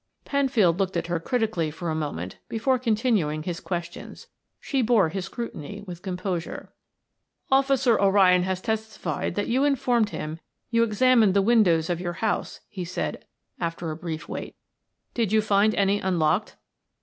Penfield looked at her critically for a moment before continuing his questions. She bore his scrutiny with composure. "Officer O'Ryan has testified that you informed him you examined the windows of your house," he said, after a brief wait. "Did you find any unlocked?"